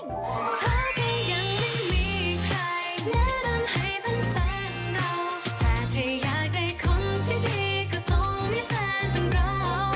มีแฟนเป็นเราเธอจะยังไม่มีใครน้ำลำให้เพิ่งฟังเรา